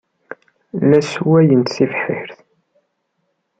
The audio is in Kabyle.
La sswayent tibḥirt.